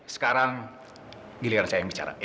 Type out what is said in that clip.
sekarang giliran saya yang bicara